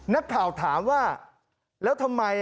นักข่าวถามว่าแล้วทำไม